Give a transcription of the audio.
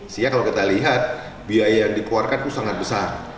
sehingga kalau kita lihat biaya yang dikeluarkan itu sangat besar